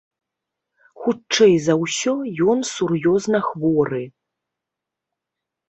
Хутчэй за ўсё, ён сур'ёзна хворы.